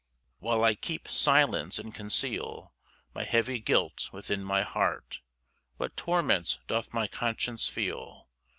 1 While I keep silence, and conceal My heavy guilt within my heart, What torments doth my conscience feel!